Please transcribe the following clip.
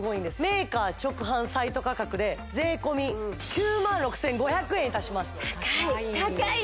メーカー直販サイト価格で税込９６５００円いたします高い高い！